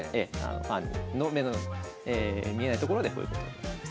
まあ日の目の見えないところでこういうことを。